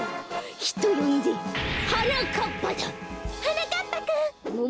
ひとよんではなかっぱだ！はなかっぱくん。